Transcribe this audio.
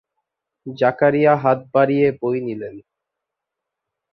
জাকারিয়া হাত বাড়িয়ে বই নিলেন।